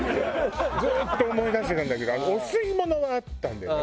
ずーっと思い出してたんだけどお吸いものはあったんだよね